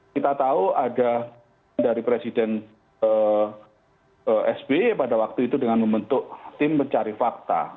kita tahu ada dari presiden sby pada waktu itu dengan membentuk tim pencari fakta